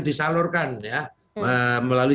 disalurkan ya melalui